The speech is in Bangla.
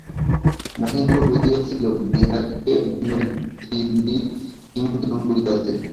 মহেন্দ্র বুঝিয়াছিল, বিহারীকে বিনোদিনীই নিমন্ত্রণ করাইয়াছে।